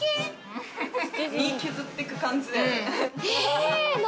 削っていく感じだよね。